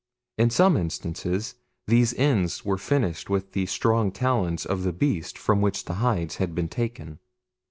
In some instances these ends were finished with the strong talons of the beast from which the hides had been taken.